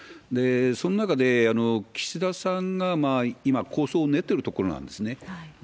その中で、岸田さんが今、構想を練ってるところなんですね。